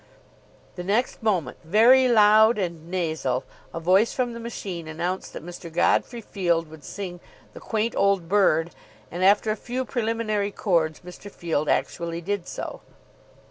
The next moment, very loud and nasal, a voice from the machine announced that Mr. Godfrey Field would sing "The Quaint Old Bird." And, after a few preliminary chords, Mr. Field actually did so.